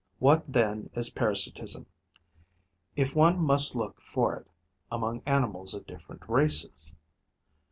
What then is parasitism, if one must look for it among animals of different races?